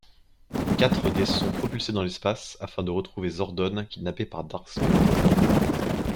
Quatre des sont propulsés dans l'espace, afin de retrouver Zordon, kidnappé par Dark Specter.